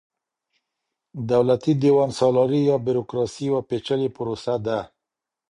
دولتي دېوان سالاري يا بروکراسي يوه پېچلې پروسه ده.